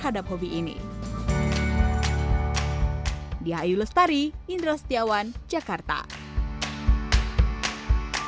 tapi kalau di luar negeri masih belum banyak yang paham tentang dan memiliki apresiasi tinggi terhadap hobi ini